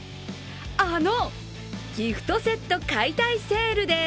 あのギフトセット解体セールです。